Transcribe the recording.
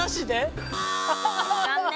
残念。